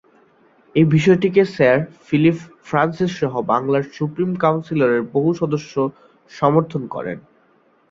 এই বিষয়টিকে sir Philip ফ্রান্সিস-সহ বাংলার সুপ্রিম কাউন্সিলের বহু সদস্য সমর্থন করেন।